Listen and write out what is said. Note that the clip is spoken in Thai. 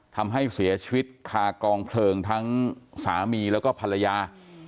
ทำให้เสียชีวิตคากองเพลิงทั้งสามีแล้วก็ภรรยา